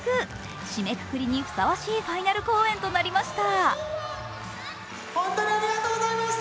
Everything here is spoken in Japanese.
締めくくりにふさわしいファイナル公演となりました。